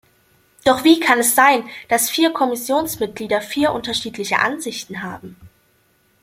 Doch wie kann es sein, dass vier Kommissionsmitglieder vier unterschiedliche Ansichten haben?